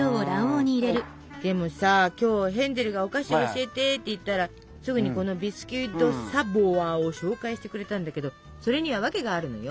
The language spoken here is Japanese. でもさ今日ヘンゼルがお菓子教えてって言ったらすぐにこのビスキュイ・ド・サヴォワを紹介してくれたんだけどそれにはワケがあるのよ。